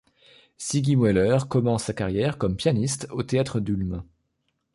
Siggi Mueller commence sa carrière comme pianiste au théâtre d'Ulm.